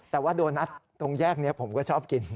แต่ว่าโดนัทตรงแยกนี้ผมก็ชอบกิน